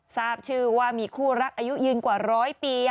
ทราบชื่อว่ามีคู่รักอายุยืนกว่าร้อยปี